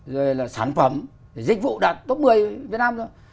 rồi là sản phẩm dịch vụ đạt top một mươi việt nam thôi